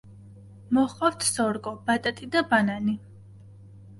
მოჰყავთ სორგო, ბატატი და ბანანი.